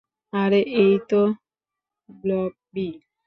আরে, এই তো ব্লবি।